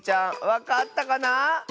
わかったかな？